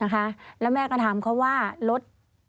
แล้วแม่ก็ถามเขาว่ารถ